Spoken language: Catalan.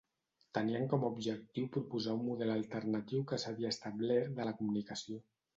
Tenien com a objectiu proposar un model alternatiu que s'havia establert de la comunicació.